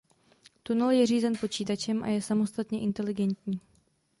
Tunel je řízen počítačem a je samostatně inteligentní.